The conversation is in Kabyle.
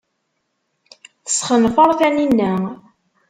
Tesxenfer Taninna.